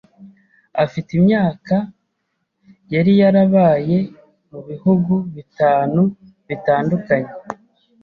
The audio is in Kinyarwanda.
Afite imyaka , yari yarabaye mu bihugu bitanu bitandukanye.